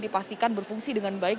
dipastikan berfungsi dengan baik